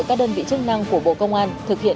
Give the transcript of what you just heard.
các đơn vị chức năng của bộ công an thực hiện